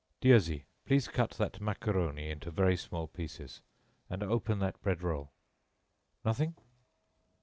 "Dieuzy, please cut that macaroni into very small pieces, and open that bread roll....Nothing?"